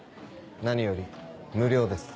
何より無料です。